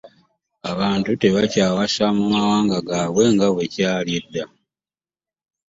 Abantu tebbakywasa mu mawanga gabwe nga bwe kyali edda.